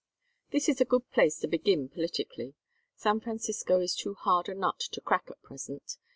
"This is a good place to begin politically. San Francisco is too hard a nut to crack at present.